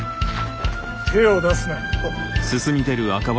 手を出すな。